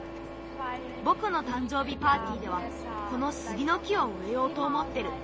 ぼくのたんじょうびパーティーではこのスギの木をうえようとおもってる。